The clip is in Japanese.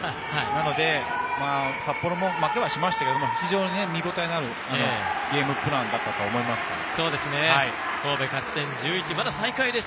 なので、札幌も負けはしましたが非常に見応えのあるゲームプランだったと思いますから。